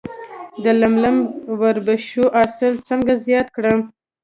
د للمي وربشو حاصل څنګه زیات کړم؟